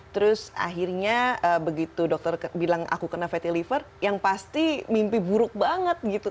terus akhirnya begitu dokter bilang aku kena fatty liver yang pasti mimpi buruk banget gitu